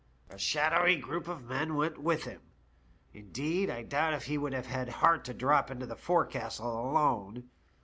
A shadowy group of men went with him ; indeed, I doubt if he would have had heart to drop into the forecastle alone.